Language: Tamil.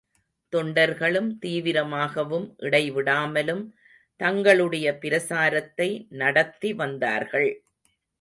தொண்டர்களும் தீவிரமாகவும் இடைவிடாமலும் தங்களுடைய பிரசாரத்தை நடத்தி வந்தார்கள்.